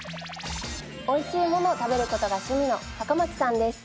美味しいものを食べる事が趣味の坂巻さんです。